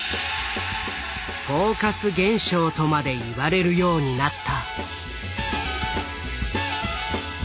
フォーカス現象とまで言われるようになった。